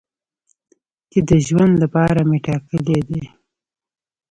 چې د ژوند لپاره مې ټاکلی دی.